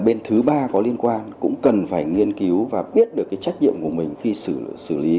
bên thứ ba có liên quan cũng cần phải nghiên cứu và biết được cái trách nhiệm của mình khi xử lý